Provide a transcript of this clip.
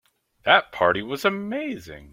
That party was amazing.